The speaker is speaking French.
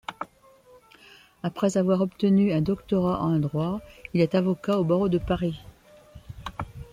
Après avoir obtenu un doctorat en droit, il est avocat au barreau de Paris.